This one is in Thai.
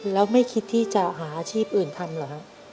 แล้วไม่คิดที่จะหาอาชีพอื่นทำเหรอฮะ